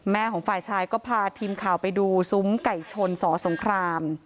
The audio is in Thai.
ของฝ่ายชายก็พาทีมข่าวไปดูซุ้มไก่ชนสอสงคราม